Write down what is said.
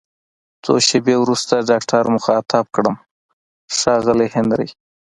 څو شیبې وروسته ډاکټر مخاطب کړم: ښاغلی هنري!